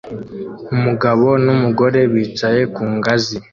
Umugabo n'umugore bicaye ku ngazi